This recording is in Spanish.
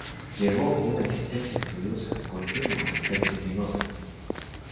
Llevó una existencia estudiosa continua, vertiginosa.